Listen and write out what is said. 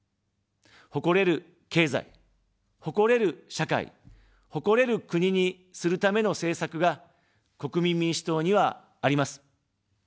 誇れる経済、誇れる社会、誇れる国にするための政策が、国民民主党にはあります。